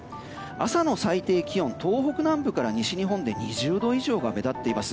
朝の最低気温、東北南部から西日本で２０度以上が目立っています。